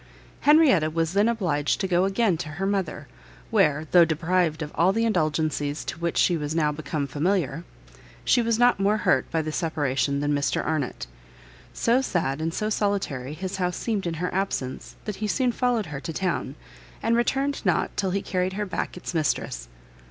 Henrietta was then obliged to go again to her mother, where, though deprived of all the indulgencies to which she was now become familiar, she was not more hurt by the separation than Mr Arnott. So sad and so solitary his house seemed in her absence, that he soon followed her to town, and returned not till he carried her back its mistress.